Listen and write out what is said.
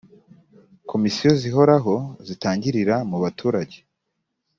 komisiyo zihoraho zitangirira mubaturage.